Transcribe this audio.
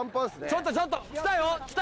ちょっとちょっと来たよ